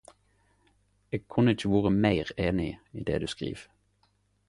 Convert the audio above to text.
Eg kunne ikkje vore meir einig i det du skriv.